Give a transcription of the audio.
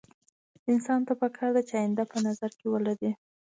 انسان ته پکار ده چې اينده په نظر کې ولري.